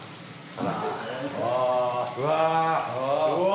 うわ。